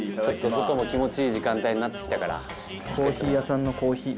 外も気持ちいい時間帯になってきたから季節も。